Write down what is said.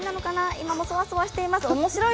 今もそわそわしています